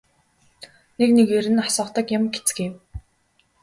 Нэг нэгээр нь асгадаг юм гэцгээв.